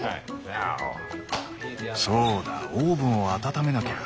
そうだオーブンを温めなきゃ。